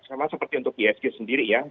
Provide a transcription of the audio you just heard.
sama seperti untuk isg sendiri ya